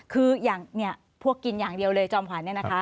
คืออย่างเนี่ยพวกกินอย่างเดียวเลยจอมขวัญเนี่ยนะคะ